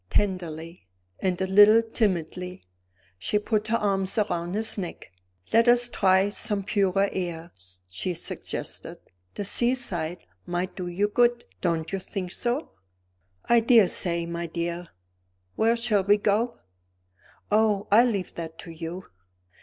Tenderly, and a little timidly, she put her arm around his neck. "Let us try some purer air," she suggested; "the seaside might do you good. Don't you think so?" "I daresay, my dear. Where shall we go?" "Oh, I leave that to you."